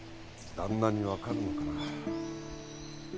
旦那に分かるのかなあ。